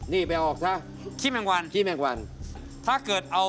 นี่ไปเอาออกซะ